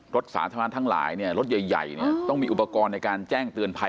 รถสาธารณะทั้งหลายเนี่ยรถใหญ่เนี่ยต้องมีอุปกรณ์ในการแจ้งเตือนภัย